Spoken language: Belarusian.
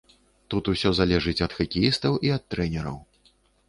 Тут усё залежыць ад хакеістаў і ад трэнераў.